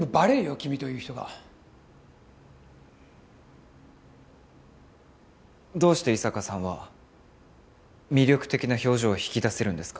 君という人がどうして伊坂さんは魅力的な表情を引き出せるんですか？